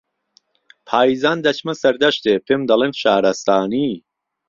پایزان دهچمه سهردهشتێ پێم دهڵێن شارهستانی